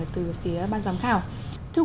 từ phía ban giám khảo